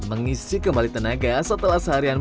mengisi kembali tenaga setelah seharian